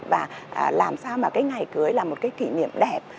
và làm sao mà cái ngày cưới là một cái kỷ niệm đẹp